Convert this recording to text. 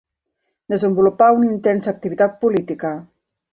Desenvolupà una intensa activitat política.